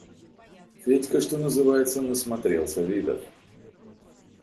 Федька, что называется, насмотрелся видов.